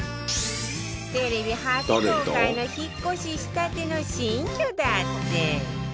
テレビ初公開の引っ越ししたての新居だって